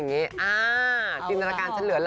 เยอะมากเลย